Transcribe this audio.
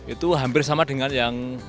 itu hampir sama dengan yang